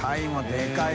でかい。